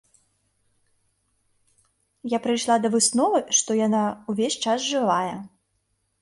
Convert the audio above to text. Я прыйшла да высновы, што яна ўвесь час жывая.